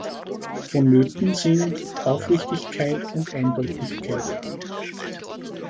Vonnöten sind Aufrichtigkeit und Eindeutigkeit.